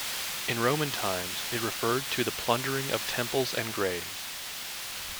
In Roman times it referred to the plundering of temples and graves.